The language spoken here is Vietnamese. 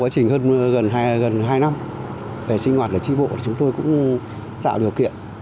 trên sinh hoạt trì bộ chúng tôi cũng tạo điều kiện